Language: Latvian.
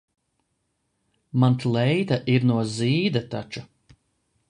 Man kleita ir no zīda taču.